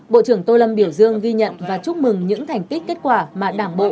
bộ trưởng tô lâm biểu dương ghi nhận và chúc mừng những thành tích kết quả mà đảng bộ